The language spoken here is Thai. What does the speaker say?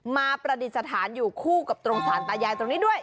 ประดิษฐานอยู่คู่กับตรงสารตายายตรงนี้ด้วย